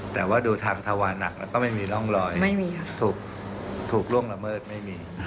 แต่ว่าดูทางธวาหนักแล้วก็ไม่มีร่องรอยถูกล่วงละเมิดไม่มี